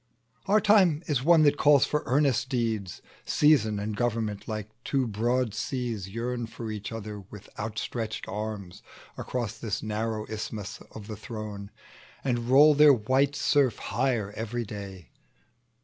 Our time is one that calls for earnest deeds: Reason and Government, like two broad seas, Yearn for each other with outstretched arms Across this narrow isthmus of the throne, And roll their white surf higher every day.